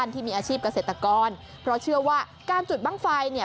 ที่มีอาชีพเกษตรกรเพราะเชื่อว่าการจุดบ้างไฟเนี่ย